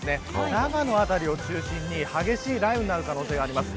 長野辺りを中心に、激しい雷雨になる可能性があります。